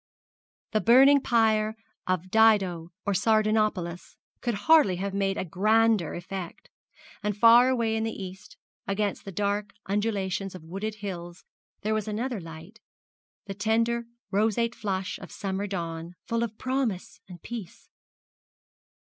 The burning pyre of Dido or Sardanapalus could hardly have made a grander effect and far away in the east, against the dark undulations of wooded hills there was another light the tender roseate flush of summer dawn, full of promise and peace.